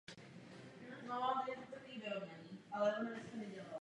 Z jednání se ale později stáhl.